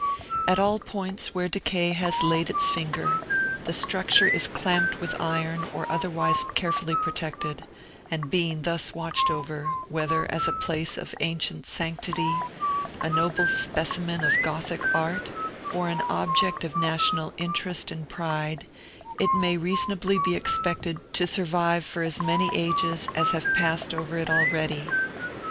At all points where decay has laid its finger, the structure is clamped with iron or otherwise carefully protected; and being thus watched over, whether as a place of ancient sanctity, a noble specimen of Gothic art, or an object of national interest and pride, it may reasonably be expected to survive for as many ages as have passed over it already.